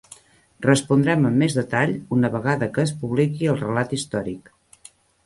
Respondrem amb més detall una vegada que es publiqui el relat històric.